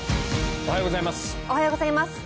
おはようございます。